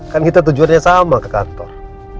kan kita tujuannya sama ke kantor